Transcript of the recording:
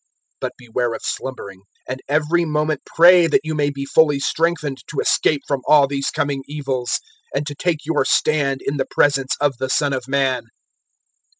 021:036 But beware of slumbering; and every moment pray that you may be fully strengthened to escape from all these coming evils, and to take your stand in the presence of the Son of Man."